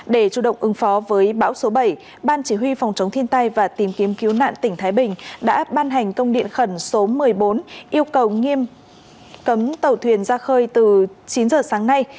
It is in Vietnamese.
để chủ động ứng phó với bão số bảy ban chỉ huy phòng chống thiên tai và tìm kiếm cứu nạn tỉnh thái bình đã ban hành công điện khẩn số một mươi bốn yêu cầu nghiêm cấm tàu thuyền ra khơi từ chín giờ sáng nay